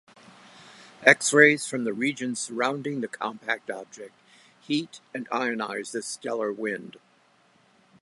X-rays from the region surrounding the compact object heat and ionize this stellar wind.